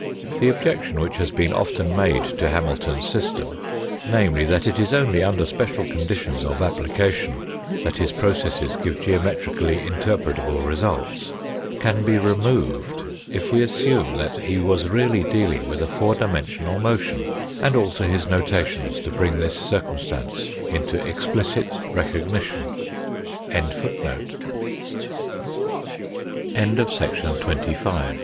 The objection which has been often made to Hamilton's system ) namely, that it is only under special conditions of application that his processes give geometrically interpretable results, can be removed, if we assume that he was really dealing with a four dimensional motion, and alter his notation to bring this circumstance into explicit recognition, APPENDIX I THE MODELS IN Chapter XI. a des